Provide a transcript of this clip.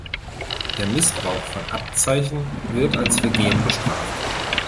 Der Missbrauch von Abzeichen wird als Vergehen bestraft.